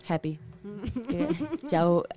jauh happy banget dibandingin aku kayak ya